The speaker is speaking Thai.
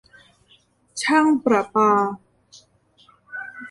ช่างประปา